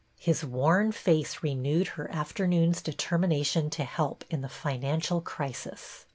His worn face renewed her afternoon's determination to help in the financial crisis.